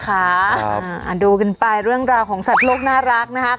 ดูกันไปเรื่องราวของสัตว์โลกน่ารักนะคะ